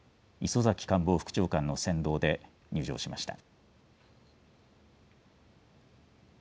磯崎官房副長官の先導で入場しました。